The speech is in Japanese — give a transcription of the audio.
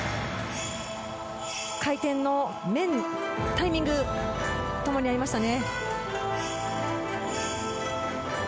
回転の面、タイミングともにありましたね。